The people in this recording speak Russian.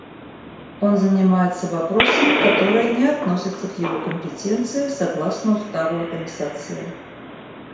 Он занимается вопросами, которые не относятся к его компетенции согласно Уставу Организации.